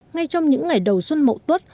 ngay trong những ngày đầu xuân mậu tuất